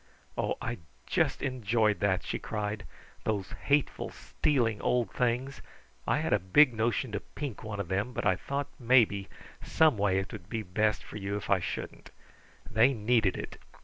"Oh, I just enjoyed that," she cried. "Those hateful, stealing old things! I had a big notion to pink one of them, but I thought maybe someway it would be best for you that I shouldn't. They needed it.